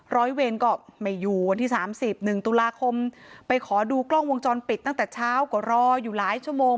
ร้อยเวรก็ไม่อยู่วันที่สามสิบหนึ่งตุลาคมไปขอดูกล้องวงจรปิดตั้งแต่เช้าก็รออยู่หลายชั่วโมง